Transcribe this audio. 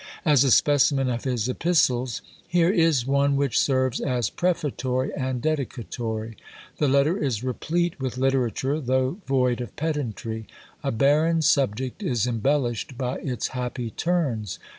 As a specimen of his Epistles, here is one, which serves as prefatory and dedicatory. The letter is replete with literature, though void of pedantry; a barren subject is embellished by its happy turns.